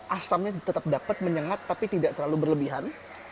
asamnya tetap dapat menyengat tapi tidak terlalu berlebihan